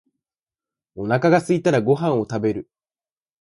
お腹がすいたらご飯を食べる。